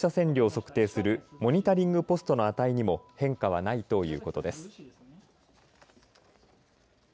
また原発周辺の放射線量を測定するモニタリングホストの値にも変化はないということです。